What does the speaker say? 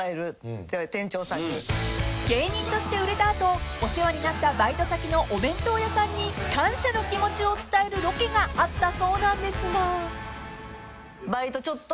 ［芸人として売れた後お世話になったバイト先のお弁当屋さんに感謝の気持ちを伝えるロケがあったそうなんですが］